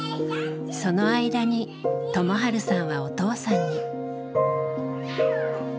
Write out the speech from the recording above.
その間に友治さんはお父さんに。